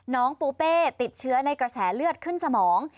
น้องปูเป้ติดเชื้อในกระแสเลือดขึ้นสมอง